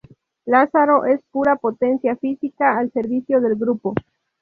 Lázaro es pura potencia física al servicio del grupo.